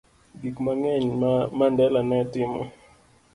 Gik mang'eny ma Mandela ne timo